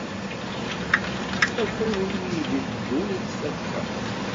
Akk ayen ay d-ibeddun, yettfaka.